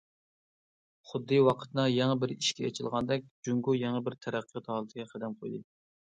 خۇددى ۋاقىتنىڭ يېڭى بىر ئىشىكى ئېچىلغاندەك، جۇڭگو يېڭى بىر تەرەققىيات ھالىتىگە قەدەم قويدى.